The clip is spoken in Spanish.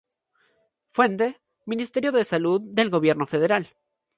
Fuente: Ministerio de la Salud del Gobierno Federal.